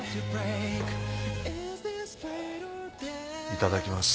いただきます。